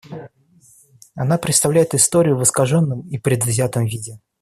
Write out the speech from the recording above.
Она представляет историю в искаженном и предвзятом виде.